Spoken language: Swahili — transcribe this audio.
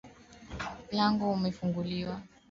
Mlango umefunguliwa